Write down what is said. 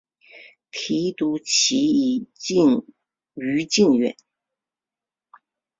提督旗移于靖远。